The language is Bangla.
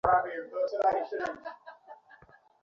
অন্য সময় অবসরে বাইরে বেড়াতে গেলে ওয়েস্টার্ন পোশাক বেশি পরা হয়।